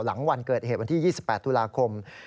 หลังวันเกิดเหตุวันที่๒๘ตุลาคม